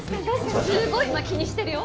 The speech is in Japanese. すごい今気にしてるよ。